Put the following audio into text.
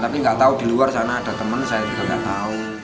tapi gak tau di luar sana ada teman saya juga gak tau